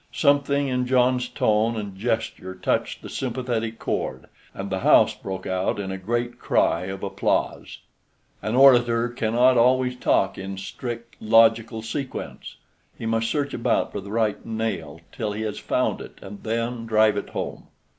Something in John's tone and gesture touched the sympathetic chord, and the house broke out in a great cry of applause. An orator cannot always talk in strict logical sequence. He must search about for the right nail till he has found it, and then drive it home.